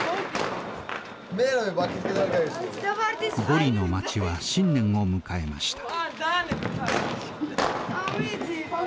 ゴリの町は新年を迎えました。